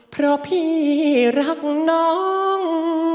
เพราะพี่รักน้อง